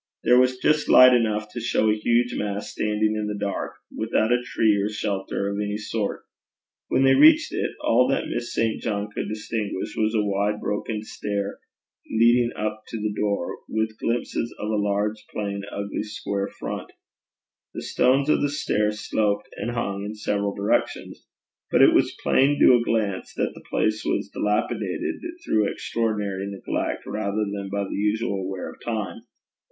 There was just light enough to show a huge mass standing in the dark, without a tree or shelter of any sort. When they reached it, all that Miss St. John could distinguish was a wide broken stair leading up to the door, with glimpses of a large, plain, ugly, square front. The stones of the stair sloped and hung in several directions; but it was plain to a glance that the place was dilapidated through extraordinary neglect, rather than by the usual wear of time.